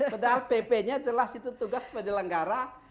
padahal pp nya jelas itu tugas penyelenggara